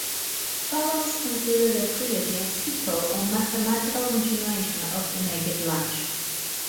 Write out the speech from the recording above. Burroughs considered the trilogy a "sequel" or "mathematical" continuation of "Naked Lunch".